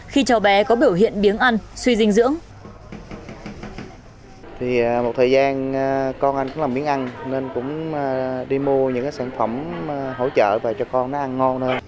khi cho bé có biểu hiện biếng ăn suy dinh dưỡng